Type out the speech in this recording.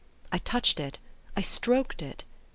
I touched it I stroked it.